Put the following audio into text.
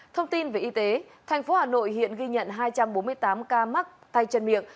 thông tin về y tế thành phố hà nội hiện ghi nhận hai trăm bốn mươi tám ca mắc tay chân miệng